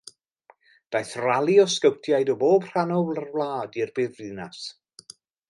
Daeth rali o sgowtiaid o bob rhan o'r wlad i'r brifddinas.